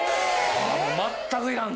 全くいらんの？